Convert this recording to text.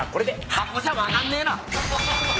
箱じゃ分かんねえな。